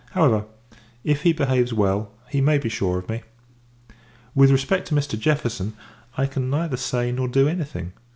However, if he behaves well, he may be sure of me. With respect to Mr. Jefferson, I can [neither] say nor do any thing.